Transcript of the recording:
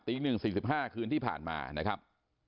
๑๔๕คืนที่ผ่านมานะครับ